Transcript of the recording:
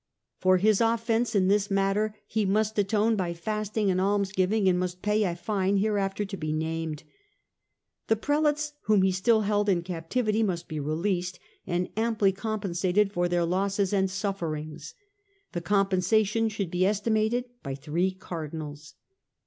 For his offence in this matter he must atone by fasting and almsgiving and must pay a fine hereafter to be named. The Prelates whom he still held in captivity must be released and amply compensated for their losses and sufferings : the compensation should be estimated by three Cardinals.